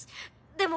でも。